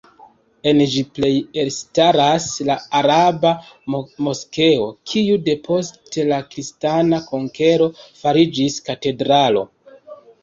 En ĝi plej elstaras la araba Moskeo, kiu depost la kristana konkero fariĝis katedralo.